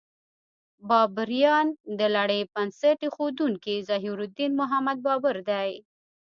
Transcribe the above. بابریان: د لړۍ بنسټ ایښودونکی ظهیرالدین محمد بابر دی.